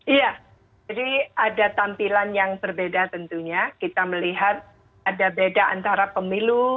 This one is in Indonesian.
iya jadi ada tampilan yang berbeda tentunya kita melihat ada beda antara pemilu